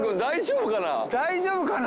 大丈夫かな？